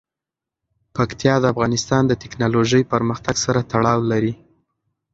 پکتیا د افغانستان د تکنالوژۍ پرمختګ سره تړاو لري.